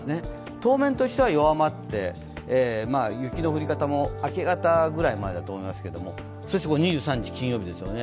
当面としては弱まって、雪の降り方も明け方くらいまでだと思いますけれども、２３日金曜日ですよね